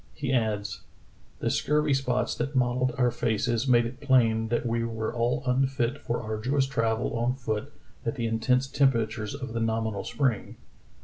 He adds: "The scurvy spots that mottled our faces made it plain that we were all unfit for arduous travel on foot at the in tense temperatures of the nominal spring.